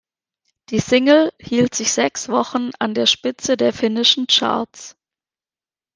Die Single hielt sich sechs Wochen an der Spitze der finnischen Charts.